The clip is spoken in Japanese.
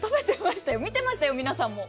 見てましたよ、皆さんも。